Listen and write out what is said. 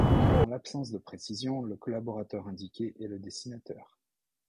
En l'absence de précisions, le collaborateur indiqué est le dessinateur.